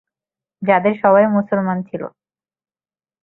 যাদের সবাই মুসলমান ছিল।